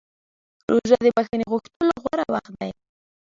روژه د بښنې غوښتلو غوره وخت دی.